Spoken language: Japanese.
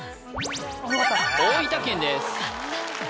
大分県です